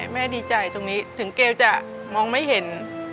แม่ดีใจตรงนี้ถึงเกลจะมองไม่เห็น